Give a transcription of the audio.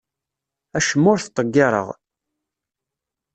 Acemma ur t-ttḍeggireɣ.